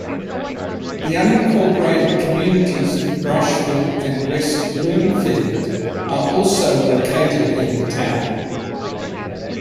The unincorporated communities of Brushville and West Bloomfield are also located in the town.